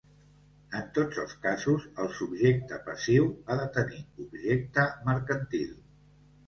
En tots els casos el subjecte passiu ha de tenir objecte mercantil.